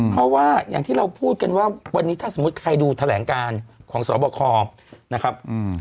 เพราะว่าอย่างที่เราพูดกันว่าวันนี้ถ้าสมมุติใครดูแถลงการของสบคนะครับ